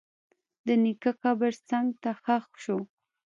د نیکه قبر څنګ ته ښخ شو.